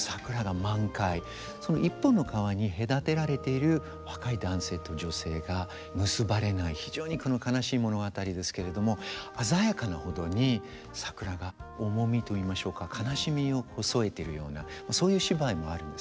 その一本の川に隔てられている若い男性と女性が結ばれない非常に悲しい物語ですけれども鮮やかなほどに桜が重みといいましょうか悲しみを添えてるようなそういう芝居もあるんですね。